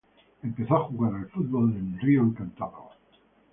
Empezó a jugar al fútbol en Río Encantado.